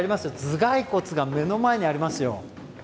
頭蓋骨が目の前にありますよ。